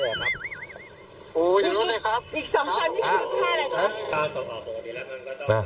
เบื้องต้น๑๕๐๐๐และยังต้องมีค่าสับประโลยีอีกนะครับ